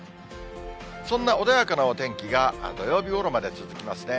そんな穏やかなお天気が土曜日ごろまで続きますね。